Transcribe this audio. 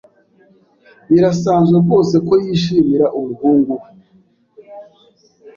Birasanzwe rwose ko yishimira umuhungu we.